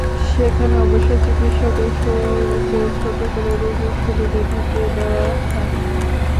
সেখানে অবশ্য চিকিৎসকের শরীরকে ছোট করে রোগীর শরীরে ঢুকিয়ে দেওয়া হয়।